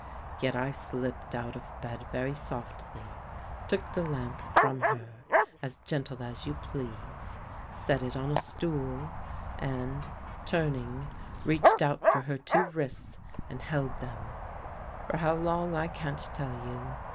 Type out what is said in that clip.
Yet I slipped out of bed very softly, took the lamp from her as gentle as you please, set it on a stool and, turning, reached out for her two wrists and held them for how long I can't tell you.